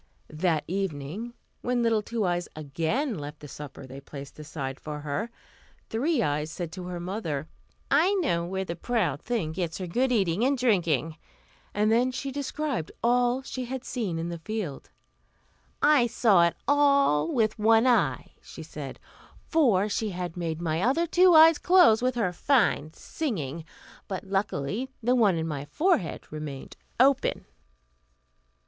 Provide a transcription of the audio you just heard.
That evening, when little Two Eyes again left the supper they placed aside for her, Three Eyes said to her mother, "I know where the proud thing gets her good eating and drinking;" and then she described all she had seen in the field. "I saw it all with one eye," she said; "for she had made my other two eyes close with her fine singing, but luckily the one in my forehead remained open."